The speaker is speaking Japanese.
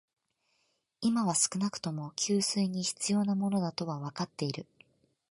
今は少なくとも、給水に必要なものだとはわかっている